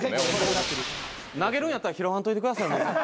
投げるんやったら拾わんといてください。